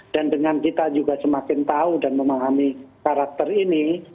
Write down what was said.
dan dengan kita juga semakin tahu dan memahami karakter ini